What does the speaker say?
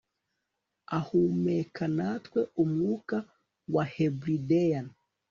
ahumeka natwe umwuka wa hebridean